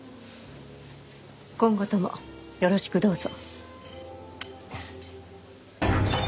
今後ともよろしくどうぞ。